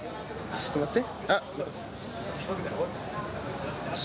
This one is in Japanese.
ちょっと待って！？